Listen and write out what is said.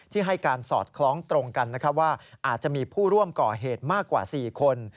ให้การสอดคล้องตรงกันว่าอาจจะมีผู้ร่วมก่อเหตุมากกว่า๔คน